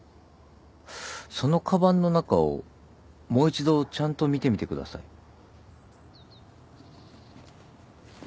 そのかばんの中をもう一度ちゃんと見てみてください。